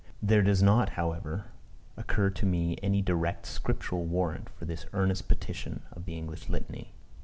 There does not, however, occur to me any direct scriptural warrant for this earnest petition of the English Litany.